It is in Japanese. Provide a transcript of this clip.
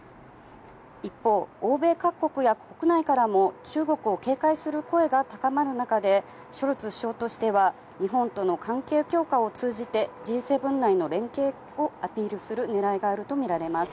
一方、欧米各国や国内からも、中国を警戒する声が高まる中で、ショルツ首相としては日本との関係強化を通じて、Ｇ７内の連携をアピールするねらいがあると見られます。